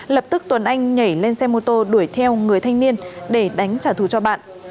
lập tức tuấn anh nhảy lên xe mô tô đuổi theo người thanh niên để đánh trả thù cho bạn